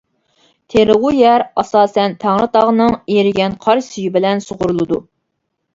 تېرىلغۇ يەر ئاساسەن تەڭرىتاغنىڭ ئېرىگەن قار سۈيى بىلەن سۇغىرىلىدۇ.